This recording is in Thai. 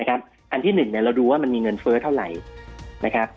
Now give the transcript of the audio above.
อันที่๑เราดูว่ามันมีเงินเฟ้อเท่าไหร่นะครับ